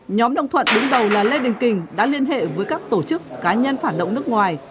nhóm đồng thuận đứng đầu là lê đình kình đã liên hệ với các tổ chức cá nhân phản động nước ngoài